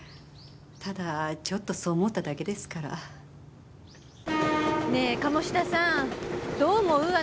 ただちょっとそう思っただけですから。ねえ鴨志田さんどう思う？